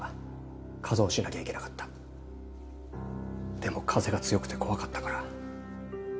でも風が強くて怖かったから。